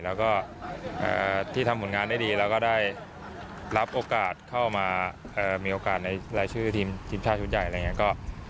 แล้วก็ที่ทำผลงานได้ดีแล้วก็ได้รับโอกาสเข้ามามีโอกาสในรายชื่อทีมชาติชุดใหญ่อะไรอย่างนี้